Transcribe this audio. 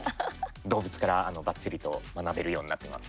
動物から、ばっちりと学べるようになってます。